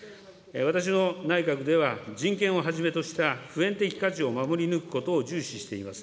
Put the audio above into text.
私の内閣では、人権をはじめとした普遍的価値を守り抜くことを重視しています。